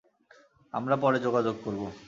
আমরা পরে যোগাযোগ করবো।